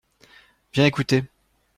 Viens écouter.